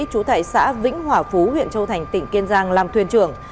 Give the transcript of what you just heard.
chú thải xã vĩnh hỏa phú huyện châu thành tỉnh kiên giang làm thuyền trưởng